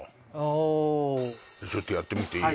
おおちょっとやってみていい？